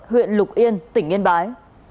huyện lục yên tỉnh yên bái